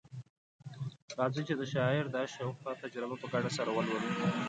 راځئ چي د شاعر دا شوخه تجربه په ګډه سره ولولو